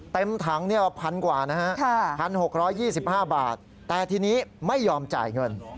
เต็มถัง๑๐๐กว่านะฮะ๑๖๒๕บาทแต่ทีนี้ไม่ยอมจ่ายเงิน